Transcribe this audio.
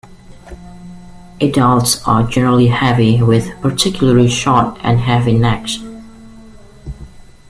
Adults are generally heavy, with particularly short and heavy necks.